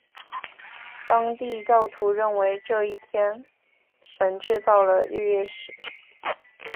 当地教徒认为这一天神制造了日月食。